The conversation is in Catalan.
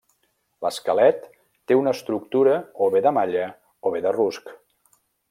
L'esquelet té una estructura o bé de malla o bé de rusc.